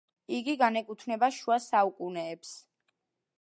იგი განეკუთვნება შუა საუკუნეებს.